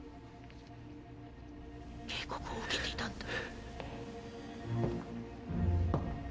警告を受けていたんだ